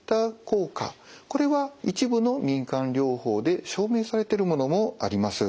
これは一部の民間療法で証明されてるものもあります。